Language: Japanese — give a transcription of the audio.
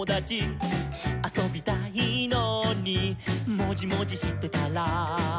「あそびたいのにもじもじしてたら」